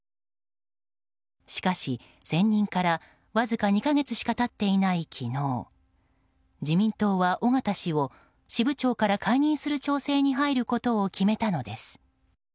しかし選任からわずか２か月しか経っていない昨日自民党は尾形氏を支部長から解任する調整に入ることを決めたのです。